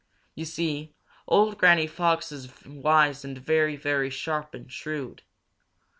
You see, old Granny Fox is wise and very, very sharp and shrewd.